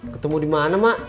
ketemu dimana mak